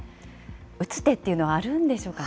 打つ手というのはあるんでしょうか。